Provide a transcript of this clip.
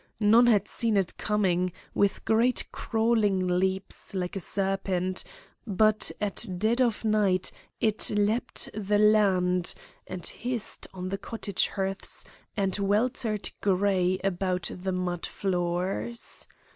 None had seen it coming, with great crawling leaps like a serpent, but at dead of night it leaped the land, and hissed on the cottage hearths and weltered gray about the mud floors.